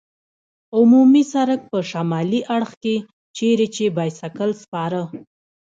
عمومي سړک په شمالي اړخ کې، چېرې چې بایسکل سپاره.